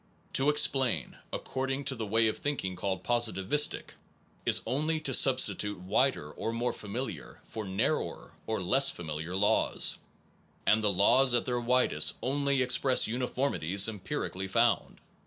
To explain, according to the way of thinking called positivistic, is only to substitute wider or more familiar, for narrower or less familiar laws, and the laws at their widest only express uniformities empirically found.